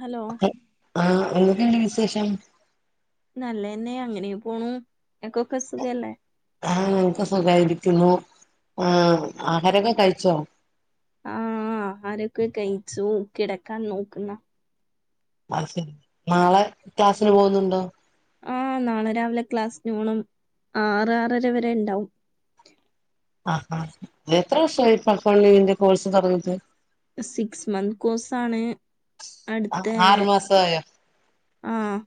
Hello ആഹ് എന്തൊക്കെയുണ്ട് വിശേഷം നല്ലയെന്നെ അങ്ങനെയെ പോണു ഇങ്ങക്കൊക്കെ സുഖല്ലേ? ആഹ് ഇൻക്ക് സുഖായിരിക്കുന്നു ആഹ് ആഹാരൊക്കെ കഴിച്ചോ? ആഹ് ആഹാരൊക്കെ കഴിച്ചു കിടക്കാൻ നോക്കുന്ന അഹ്സെരി നാളെ ക്ലാസ്സിന് പോകുന്നുണ്ടോ? ആഹ് നാളെ രാവിലെ ക്ലാസ്ന് പോണം ആറ് ആറര വരെ ഇണ്ടാവും ആഹ് ആ എത്ര വർഷായിപ്പൊ അക്കൗണ്ടിങ്ങിന്റെ കോഴ്സ് തൊടങ്ങിട്ട്? സിക്സ് മന്ത് കോഴ്സാണ് അട്ത്തേ ആറു മാസമായോ ആഹ്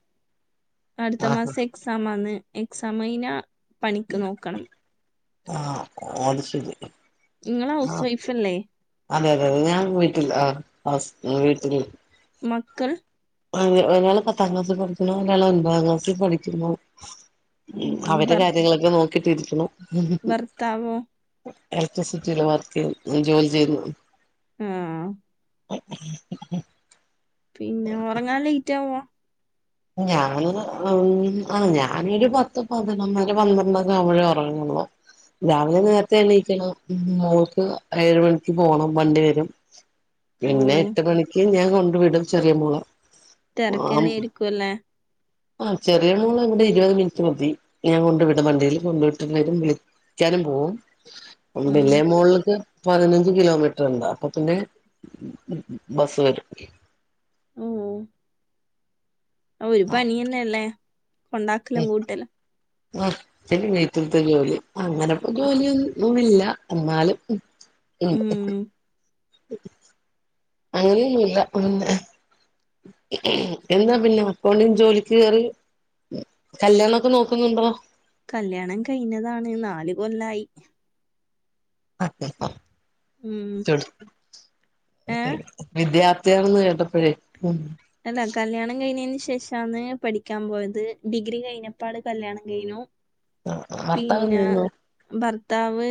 അടുത്ത ആഹ് മാസം എക് സാമാന്ന് എക്സാമയ്ഞ്ഞാ പണിക്ക് നോക്കണം ആഹ് അത്ശെരി ഇങ്ങള് ഹൗസ് വൈഫല്ലേ? അതെ അതെ അതെ ഞാൻ വീട്ടിലാ ഹൗസ് വീട്ടില് മക്കൾ? ഒരാള് പത്താം ക്ലാസി പഠിക്ക്ണു ഒരാള് ഒൻമ്പതാം ക്ലാസ്സി പഠിക്കുന്നു. ഉം അവരെ ഭർ കാര്യങ്ങളൊക്കെ നോക്കിട്ടിരിക്കുന്നു ഭർത്താവോ എലക്ട്രിസിറ്റിയില് വർക്കെയ്യുന്നു മ് ജോലി ചെയ്യുന്നു ആഹ് [inaudible] പിന്നെ ഉറങ്ങാാന് ലേറ്റ് ആവോ ഞാന് ആഹ് ഞാനരു പത്ത് പതിനൊന്നര പന്ത്രണ്ടൊക്കെ ആവുമ്പഴേ ഉറങ്ങുള്ളു രാവിലെ നേരത്തെ എണ്ണയിക്കണം മോക്ക് ഏഴ് മണിക്ക് പോണം വണ്ടി വരും ഓ പിന്നെ എട്ട് മണിക്ക് ഞാൻ കൊണ്ട് വിടും ചെറിയ മോളെ ആഹ് തിരക്കന്നെ ആരിക്കുവല്ലേ ആഹ് ചെറിയ മോളെ അടെ ഇരുപത് മിനിറ്റ് മതി ഞാൻ കൊണ്ടു വിടും വണ്ടിയിലും കൊണ്ട് വിട്ടവരും വിളി നടും എന്ന പോകവും ഉം വിലിയ മോളിലക്ക് പതിനഞ്ച് കിലോമീറ്റർ ഉണ്ട് അപ്പൊ പിന്നെ ബസ് വരും ഉം ഒരു പണിയ തന്നെയല്ലേ കൊണ്ടാ. ക്കല ഉം കൂട്ടല്ല ആഹ് പിന്നെ വീറ്റിലത്തെ ജോലി അങ്ങനെപ്പോ ജോലിയന്നന്നുല്ല എന്നാലും ഉണ്ട് ഉം അങ്ങനെയൊന്നുല്ല പിന്നെ എന്താ പിന്നെ അക്കൗണ്ടിൽ ജോലിക്ക് കേയറി കല്ല്യാണൊക്കെ നോക്കുന്നുണ്ടോ കല്യാണം കഴിഞ്ഞതാണ് നാല് കൊല്ലായി ഉം ഏഹ് [unintelligible] വിദ്യാർത്ഥിയാണെന്ന് കേട്ടപ്പോഴേ ഉം അല്ല കല്യാണം കഴിഞ്ഞതിന് ശേഷാന്ന് പഠിക്കാൻ പോയത് ഡിഗ്രി കഴിഞ്ഞപ്പോള് കല്യാണം കഴിഞ്ഞു ഭർത്താവ് എന്ത് പിന്നെ ചെയ്യുന്നു ഭർത്താവ്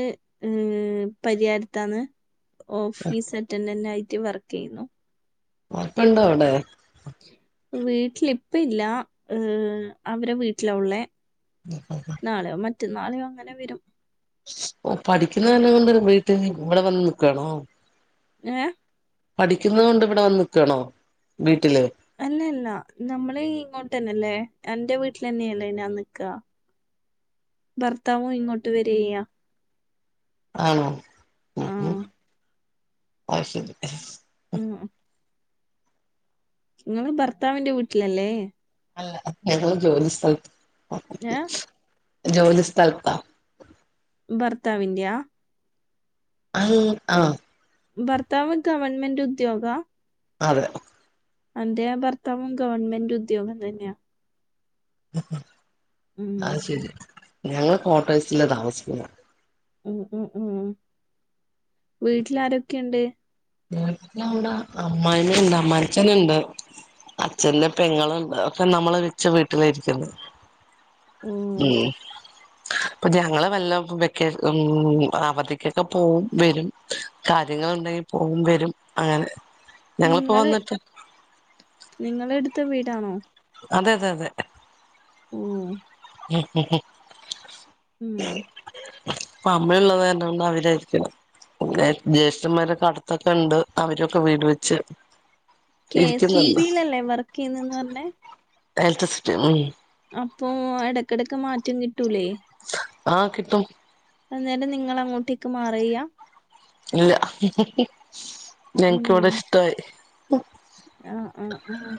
ഏഹ് പരിഹാരത്താണ് ഓഫീസ് അറ്റൻഡന്റ് ആയിട്ട് വർക്ക് ചെയ്യുന്നു ഒപ്പമുണ്ടോ അവിടെ വീട്ടിലിപ്പ ഇല്ല അവരെ വീട്ടിലാ ഉള്ളെ [unintelligible] നാളെയോ മറ്റന്നാളോ അങ്ങനെ വരും ഓഹ് പഠിക്കുന്ന കാരണം കൊണ്ട് വീട്ട് ഇവിടെ വന്ന് നിക്കുവാണോ ഏഹ് പഠിക്കുന്നുന്നത് കൊണ്ട് ഇവിടെ വന്ന് നിക്കാണോ വീട്ടില് അല്ലല്ല നമ്മള് ഇങ്ങോട്ട തന്നെല്ലേ എന്റെ വീട്ടിൽ തന്നെയല്ലേ ഞാൻ നിക്ക ഭർത്താവും ഇങ്ങോട്ട് വരി ചെയ്യ ആണോ ഉം ആഹ് അഅ്ശരി ഉം നിങ്ങള് ഭർത്താവിന്റെ വീട്ടിലല്ലേ അല്ല ഞങ്ങള് ജോലി സ്ഥലത്ത് ഏഹ് ജോലി സ്ഥലത്താ ഭർത്താവിന്ത്യ അയ് ആഹ് ഭർത്താവ് ഗവൺമെന്റ് ഉദ്യോഗ അതെ എന്റെ ഭർത്താവും ഗവൺമെന്റ് ഉദ്യോഗം തന്നെയാ ഉം അ അ്ശരി ഞങ്ങള് കോട്ടസ്ലാ താമസിക്കുന്ന ഉ ഉം ഉം വീട്ടിൽ ആരൊക്കെയ്ണ്ട് വിടെ അമ്മായിന ഉണ്ട് അമ്മായിഅച്ഛനണ്ട് അച്ഛന്റെ പെങ്ങളുംണ്ട് ഒക്കെ നമ്മള് വിച്ച വീട്ടില ഇരിക്ക് ന്നെ ഉം ഏഹ് ഇപ്പൊ ഞങ്ങള് വല്ല വെക്ക ഉം അവധിക്കൊക്കെ പോവും വരും കാര്യങ്ങളുണ്ടെങ്കി പോവും വരും അങ്ങനെ ഞങ്ങളിപ്പോ നിങ്ങള് വന്നിട്ട് നിങ്ങള എട്ത്ത വീടാണോ അതെതെ അതെ ഊം ഉം ഉം ഉം ഉം പ്പം അമ്മ ഇള്ളെത് കാരണം ഇന്നവലായ്രിക്കലോ ഏന് ജ്യേഷ്ഠന്മാരൊക്കെ അട്ത്തൊക്കെ ണ്ട് അവരൊക്കെ വീട് വെച്ച് കെ സി ഇരിക്കുന്നുണ്ട് ബീലല്ലേ വർക്കെയ്യ്ന്ന്ന്ന് പർഞ്ഞെ എലെട്രസിറ്റി ഉം അപ്പോ എടെക്കെടെക്ക് മാറ്റം കിട്ടൂലേ ആഹ് കിട്ടും അന്നേരം നിങ്ങളങ്ങോട്ടേക്ക് മാറ്യ്യാ ഇല്ല ഞങ്ങ്ക്ക് ഉം ഇവടെ ഇഷ്ടവായി ആഹ് ആഹ് ആം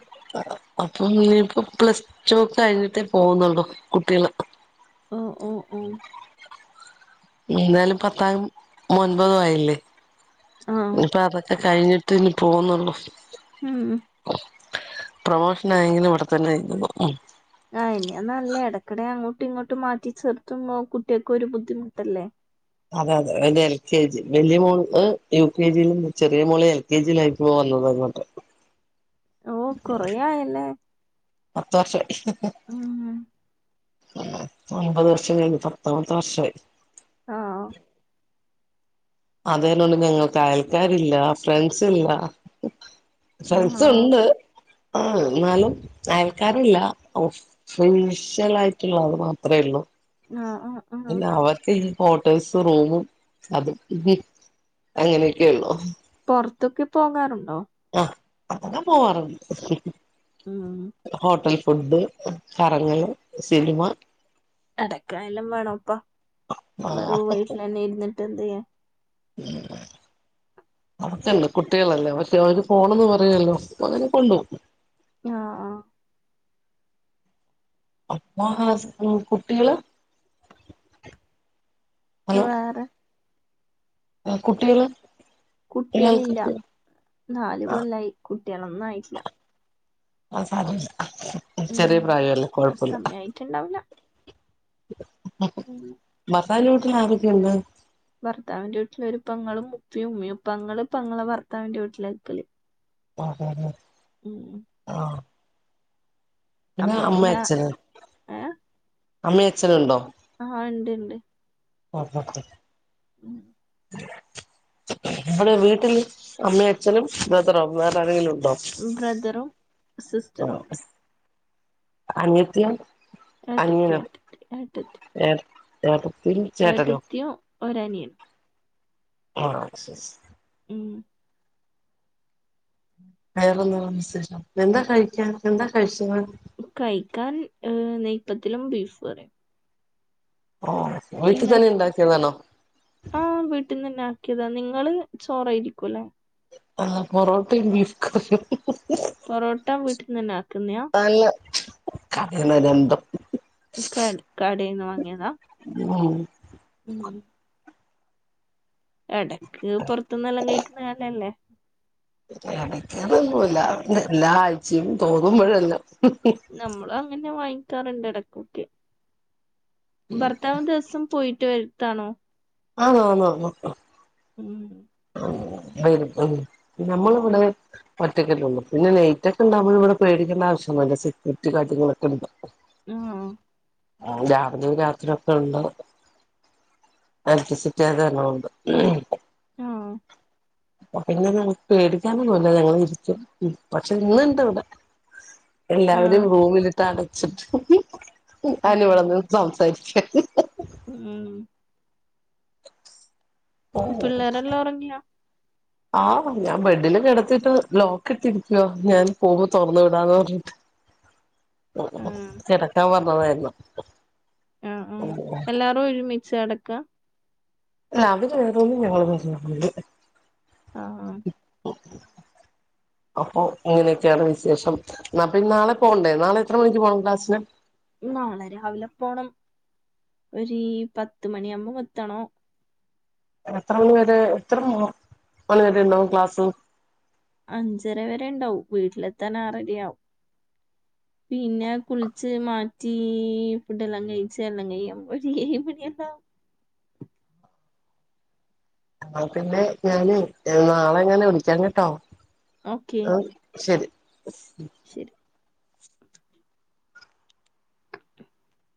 അപ്പം ഇനിയിപ്പോ പ്ലസ്റ്റു കഴിഞ്ഞിട്ടേ പോകുന്നുള്ളു കുട്ട്യേള് ഓഹ് ഓഹ് ഓഹ് എന്തായാലും പത്താം ഒൻപതും ആയില്ലേ ആഹ് ഞ്ഞിപ്പതൊക്കെ കഴിഞ്ഞി ട്ട് ഞ്ഞ് പോവ്ന്നൊള്ളു ഉം പ്രൊമോഷനായെങ്കിലും ഇവിടെ തന്നെ [unintelligible] ഉം ആഹ് ഇനി നല്ലെയാ എടെക്ക്ടെ അങ്ങോട്ടും ഇങ്ങോട്ടും മാറ്റി ചേർത്തുമ്പം കുട്ട്യേക്കാെരു ബുദ്ധിമുട്ടല്ലേ അതെ അതെ അയ്ന്റെ എൽ കെ ജി വല്യ മോള്ക് യു കെ ജിലും ചെറിയ മോള് എൽ കെ ജിയിലായപ്പൊ വന്നതാങ്ങോട്ട് ഓഹ് കൊറേയായല്ലേ പത്ത് വർഷം ആയി ഉം പ്പ ഒൻമ്പത് വർഷം കയ്ഞ്ഞ് പത്താമത്തെ വർഷായ് ആഹ് അതോ [unintelligible] ഞങ്ങൾക്ക് അയൽക്കാരില്ലാ ഫ്രണ്ട്സില്ലാ ആഹ് ഫ്രണ്ട്സ് ഉണ്ട് ആഹ് എന്നാലും അയൽക്കാരില്ല ഔ ഫേഷ്യലായിട്ട്ള്ളഅ് മാത്രേള്ളൂ ആഹ് ആഹ് ആഹ് പിന്നെ അവർക്ക് ഈ കോട്ടെഴ്സ് റൂമും അതും ഉം അങ്ങെനെക്കേള്ളു പാെർത്തൊക്കെ പോകാറുണ്ടോ? ആഹ് അതെല്ലാം പോവാറ്ണ്ട് ഉം ഉം ഹോട്ടൽ ഫുഡ്ഡ് കറങ്ങെല് സിനിമ എടെക്കയെല്ലാം വേണോപ്പാ ആ വെറും വീട്ടിലെന്നെ ഇര്ന്നിട്ടെന്തെയ്യാൻ ഉം അവക്കല്ലേ കുട്ടികളല്ലേ അവറ്റോര് പോണംന്ന് പറയാെല്ലോ പ്പ അങ്ങെനെ കൊണ്ടോം ആഹ് ആഹ് അപ്പാ സ് കുട്ടികള് വേറെ ആഹ് കുട്ടികള് കുട്ടികളില്ല ഇയാൾക്ക് നാല് ആ കൊല്ലായി കുട്ടികളൊന്നും ആയ്ട്ട്ല്ല അത് സാരമില്ല ചെറിയ ഉം പ്രായമല്ലേ കാെഴപ്പാെല്ലാ സമയായിട്ടുണ്ടാവില്ല ആഹ് ഉം ഭർത്താവിന്റെ വീട്ടിലാരൊക്കെയുണ്ട്? ഭർത്താവിന്റെ വീട്ടില് ഒരു പെങ്ങെളും ഉപ്പിയും ഉമ്മയും പെങ്ങെള് പെങ്ങെളെ ഭർത്താവിന്റെ വീട്ടിലാ നിക്കല് [unintelligible] അതെ അതെ [unintelligible] ഉം ഉം ആഹ് പിന്നെ അമ്മാ അച്ഛന് അമ്മയും അച്ഛന്ണ്ടോ? ആഹ് ഇണ്ട് ഇണ്ട് [unintelligible] ഉം നമ്മടെ വീട്ടില് അമ്മയും അച്ഛനും ബ്രദർ വേറെ ആരെെങ്കിലും ഉണ്ടോ? ബ്രദറും സിസ്റ്ററും ഉണ്ട് അനിയത്തിയ ഏട്ടത്തി ഏട്ടത്തി ഏട്ടത്തി ഏഹ് ഏടത്തി ഏട്ടത്തിയും ഒരനിയനും ആഹ് എസ് എസ് ഉം വേറെ എന്താ വിശേഷം എന്താ കഴിക്കാ എന്താ കഴിച്ചത് കഴിക്കാൻ നെയ്പ്പത്തിലും ബീഫ് കറിയും ഓഹ് വീട്ട് തന്നെ ഉണ്ടാക്കിയതാണോ ആഹ് വീട്ടിൽ നിന്ന് തന്നെ ആക്കിയതാ നിങ്ങള് ചോറായിരിക്കുവല്ലേ ആഹ് പൊറോട്ടയും ബീഫ് കറിയും പൊറോട്ട വീട്ടിൽ നിന്ന് തന്നെ ആക്കുന്നെയാ [unintelligible] ക കടയിന്ന് വാങ്ങിയതാ ഉം ഉം ഇടക്ക് പുറത്തന്നെല്ലാം കഴിക്കുന്നത് നല്ലത് അല്ലേ എടക്ക്ന്നുമല്ല എല്ലാ ആഴ്ചയും തോന്നുമ്പോഴല്ലാം നമ്മള അങ്ങനെ വാങ്ങിക്കാറുണ്ട് ഇടക്കൊക്കെ ഭർത്താവ ദിവസം പോയിട്ട് വരതാണോ ആണ ആണ ആണ് ഉം ഉം വരും വരും നമ്മള ഉം ഇവിടെ ഒറ്റൊക്കല്ലഉള്ളു പിന്നെ നെയറ്റ് ഒക്കെ ഉണ്ടാവുമ്പോ ഇവിടെ പേടിക്കേണ്ട ആവശ്യല്ല സെക്യൂരിറ്റി കാര്യങ്ങളൊക്കെ ഉണ്ടും ഉം ആഹ രാവില രാത്രി ഒക്കെ ഉണ്ട് ഇലക്ട്രിസിറ്റി അതന്ന ഉണ്ട് ആഹ പിന്നെ ഞങ്ങക്ക് പേടിക്കാനും പോല ഞങ്ങ ഇരിക്കും പക്ഷെ ഇന്ന ഇണ്ട് ഇവിടെ എല്ലാവരും ആഹ് റൂമിലിട്ട് അടച്ചിട്ട് ഞൻ ഉം ഇവിടെന്ന് സംസാരിക്ക ഉം പിള്ളേരെല്ലാം ഉറങ്ങിയോ [unintelligible] ആഹ് ഞാൻ ബെഡില് കെടുത്തിട്ട് ലോക്ക് ഇട്ടിരിക്കവാ ഞാൻ പോകുമോ തുറന്നു വിടാന്ന് പറഞ്ഞിട്ട് ആഹ് കിടക്കാൻ പറഞ്ഞതായിരുന്നു ആഹ ആഹ എല്ലാവാരും ഒരുമിച്ച് കിടക്കുക അവര് വേറൊന്നും ഞങ്ങള് ആഹ് [unintelligible] അപ്പൊ ഇങ്ങനെയൊക്കെയാണ് വിശേഷംപ്പൊ നാളെ പോകണ്ടേ നാളെ എത്ര മണിക്ക് പോകണം ക്ലാസ്സിന് നാളെ രാവിലെ പോണം ഒരു പത്ത് മണിയാവുമ്പോ എത്തണോ എത്ര മണിവരെ എത്ര മണിവരെ ഉണ്ടാവും ക്ലാസ് അഞ്ചര വരെ ഉണ്ടാവും വീട്ടിലെത്താൻ ആറരയാവും [inaudible] പിന്നെ കുളിച്ച് മാറ്റി ഫുഡ്ല്ലാം കഴിച്ച് എല്ലാം കൈയുമ്പം ഏഴുമണില്ലാവും ന പിന്നെ ഞാന് നാളെ എങ്ങനെ വിളിക്കാൻ കേട്ടോ ഓക്കെ ആഹ ശരി ശരി [inaudible]